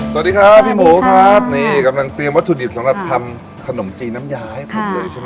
สวัสดีครับพี่หมูครับนี่กำลังเตรียมวัตถุดิบสำหรับทำขนมจีนน้ำยาให้ผมเลยใช่ไหม